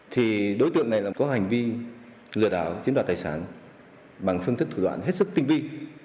thì đối tượng này có hành vi lừa đảo chiếm đoạt tài sản bằng phương thức thủ đoạn hết sức tinh vi